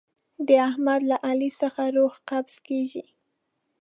د احمد له علي څخه روح قبض کېږي.